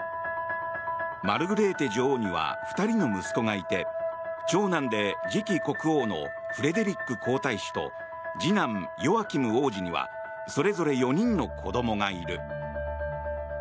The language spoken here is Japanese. マルグレーテ女王には２人の息子がいて長男で次期国王のフレデリック皇太子と次男ヨアキム王子にはそれぞれ４人の子供がいる。